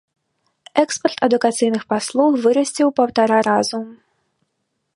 Экспарт адукацыйных паслуг вырасце ў паўтара разу.